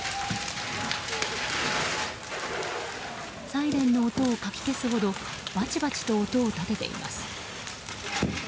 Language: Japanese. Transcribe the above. サイレンの音をかき消すほどバチバチと音を立てています。